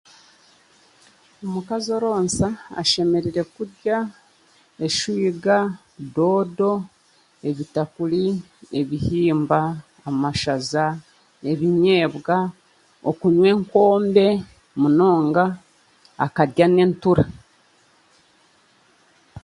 Omukazi oronsya ashemereire kurya eshwiga, doodo, ebitakuri, ebihimba, amashaza, ebinyeebwa, okunywa enkombe, munonga akarya n'entura.